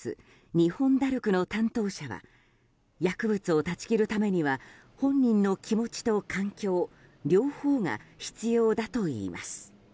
日本ダルクの担当者は薬物を断ち切るためには本人の気持ちと環境両方が必要だといいます。